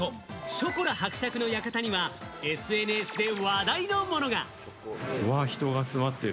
ショコラ伯爵の館にはＳＮＳで話題のものが。